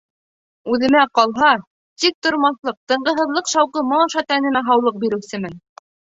Үҙемә ҡалһа, тиктормаҫлыҡ, тынғыһыҙлыҡ шауҡымы аша тәнемә һаулыҡ биреүсемен.